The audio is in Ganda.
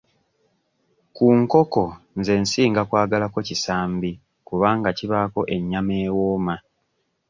Ku nkoko nze nsinga kwagalako kisambi kubanga kibaako ennyama ewooma.